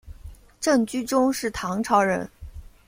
郑居中是唐朝人。